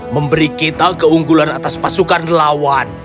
memberi kita keunggulan atas pasukan lawan